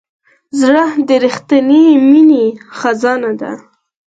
زړه د رښتینې مینې خزانه ده.